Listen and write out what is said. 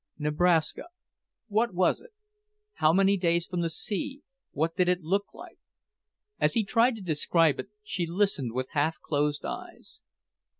Nebraska What was it? How many days from the sea, what did it look like? As he tried to describe it, she listened with half closed eyes.